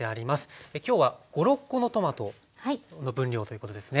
今日は５６コのトマトの分量ということですね。